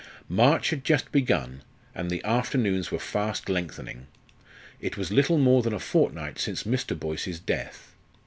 March had just begun, and the afternoons were fast lengthening. It was little more than a fortnight since Mr. Boyce's death.